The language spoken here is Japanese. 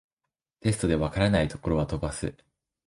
テストで解らないところは飛ばす